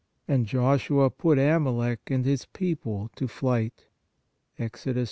And Josue put Amalec and his people to flight" (Exod. 17.